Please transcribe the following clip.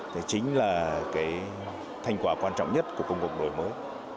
thì chính là cái thành quả quan trọng nhất của công cuộc đổi mới